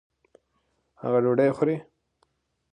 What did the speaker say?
هغه ډوډۍ خوري.